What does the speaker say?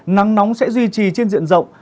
nắng nóng sẽ duy trì trên diện rộng